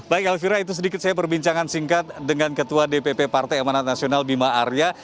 baik elvira itu sedikit saya perbincangan singkat dengan ketua dpp partai amanat nasional bima arya